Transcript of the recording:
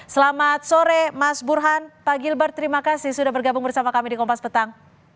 selamat sore mas burhan pak gilbert terima kasih sudah bergabung bersama kami di kompas petang